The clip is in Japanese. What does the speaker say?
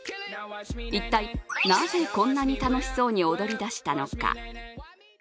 一体なぜ、こんなに楽しそうに踊り出したのか。